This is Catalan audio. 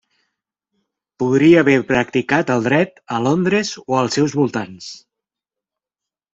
Podria haver practicat el dret a Londres o els seus voltants.